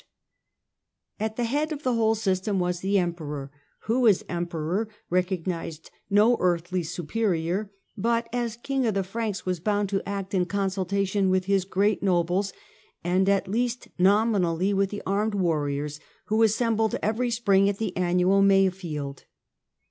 The At the head of the whole system was the Emperor, who as Emperor recognised no earthly superior, but as king of the Franks was bound to act in consultation with his great nobles and, at least nominally, with the armed warriors who assembled every spring at the annual " May field